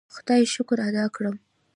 خدای شکر ادا کړ.